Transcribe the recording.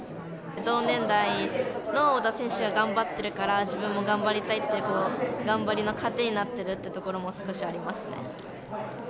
同年代の小田選手が頑張ってるから、自分も頑張りたいっていう、頑張りの糧になってるところも少しありますね。